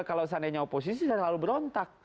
kalau seandainya oposisi selalu berontak